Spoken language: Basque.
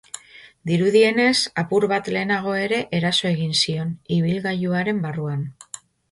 Dirudienez, apur bat lehenago ere eraso egin zion, ibilgailuaren barruan.